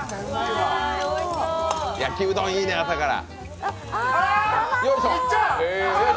焼きうどん、いいね、朝から。